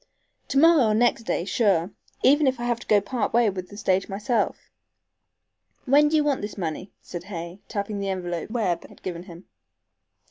"To morrow or next day sure, even if I have to go part way with the stage myself. When do you want this money?" said Hay, tapping the envelope Webb had given him.